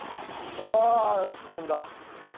ああ１本だ。